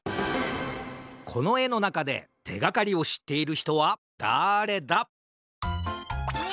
このえのなかでてがかりをしっているひとはだれだ？え！？